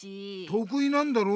とくいなんだろ？